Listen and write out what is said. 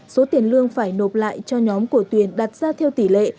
số tiền lương phải nộp lại cho nhóm của tuyền đặt ra theo tỷ lệ